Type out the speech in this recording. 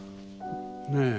ねえ。